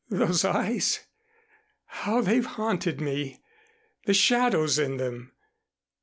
Those eyes! How they've haunted me. The shadows in them!